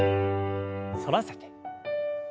反らせて。